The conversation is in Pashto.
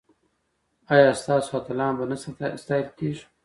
ایا ستاسو اتلان به نه ستایل کیږي؟